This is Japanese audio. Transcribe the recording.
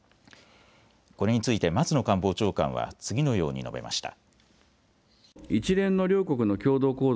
これについて松野官房長官は次のように述べました。